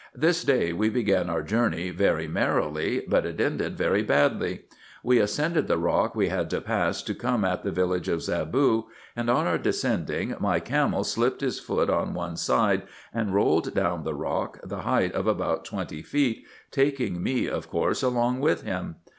This day we began our journey very merrily, but it ended very badly. We ascended the rock we had to pass to come at the village of Zaboo, and on our descending, my camel slipt his foot on one side, and rolled down the rock the height of about twenty feet, taking me, of course, along with him.